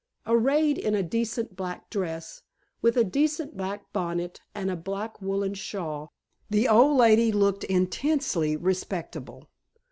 Arrayed in a decent black dress, with a decent black bonnet and a black woollen shawl, the old lady looked intensely respectable.